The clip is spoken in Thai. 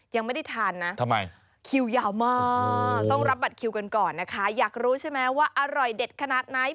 ยังไม่ได้ทานนะทำไมคิวยาวมากต้องรับบัตรคิวกันก่อนนะคะอยากรู้ใช่ไหมว่าอร่อยเด็ดขนาดไหน